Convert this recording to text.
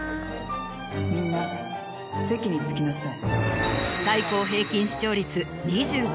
みんな席に着きなさい。